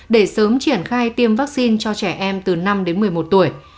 để sớm triển khai tiêm vaccine cho trẻ em từ năm đến một mươi một tuổi